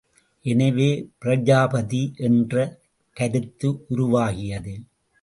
எனவே பிராஜாபதி என்ற கருத்து உருவாகியது.